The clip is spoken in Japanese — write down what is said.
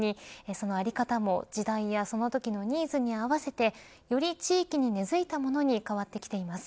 その在り方も時代やそのときのニーズに合わせてより地域に根づいたものに変わってきています。